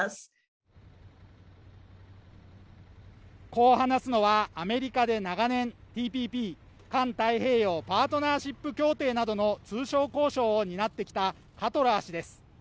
こう話すのは、アメリカで長年、ＴＰＰ＝環太平洋パートナーシップ協定などの通商交渉を担ってきたカトラー氏です。